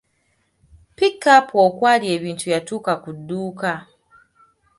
Pikapu okwali ebintu yatuuka ku dduuka.